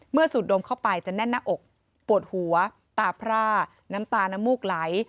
สูดดมเข้าไปจะแน่นหน้าอกปวดหัวตาพร่าน้ำตาน้ำมูกไหล